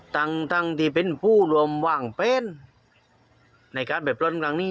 ทั่งทั้งที่เป็นผู้รวมว่าเพรรย์ในการไปพลนกันนี้